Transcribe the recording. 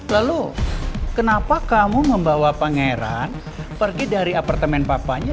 lalu kenapa kamu membawa pangeran pergi dari apartemen papanya